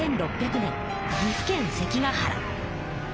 １６００年岐阜県関ヶ原。